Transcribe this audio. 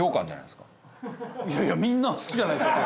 いやいやみんな好きじゃないですか。